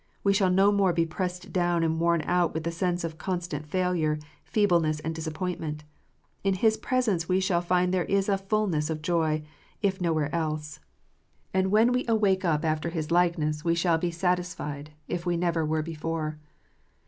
We shall no more be pressed down and worn out with the sense of constant failure, feebleness, and disappointment. In His presence we shall find there is a fulness of joy, if nowhere else ; and when we awake up after His like IDOLATRY. 415 ness we shall be satisfied, if we never were before.